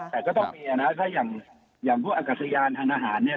แต่ก็ต้องมีนะถ้าอย่างพวกอากาศยานทางทหารเนี่ย